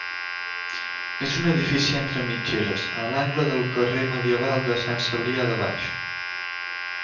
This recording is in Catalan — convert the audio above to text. És un edifici entre mitgeres a l'angle del carrer medieval de Sant Cebrià de baix.